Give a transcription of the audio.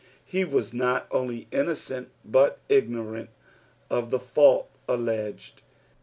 He was not only innocent, but igno rant of the fault alleged.